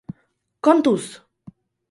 Kontuz!